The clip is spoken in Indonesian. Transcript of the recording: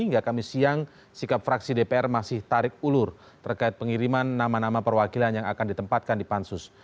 hingga kamis siang sikap fraksi dpr masih tarik ulur terkait pengiriman nama nama perwakilan yang akan ditempatkan di pansus